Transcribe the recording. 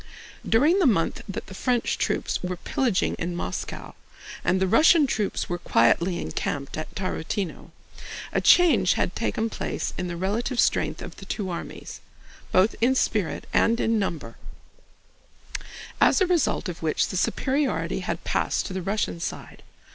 During the month that the French troops were pillaging in Moscow and the Russian troops were quietly encamped at Tarútino, a change had taken place in the relative strength of the two armies—both in spirit and in number—as a result of which the superiority had passed to the Russian side.